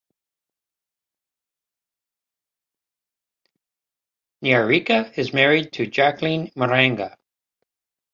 Nyariki is married to Jackline Maranga.